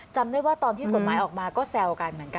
จำได้ว่าตอนที่กฎหมายออกมาก็แซวกันเหมือนกัน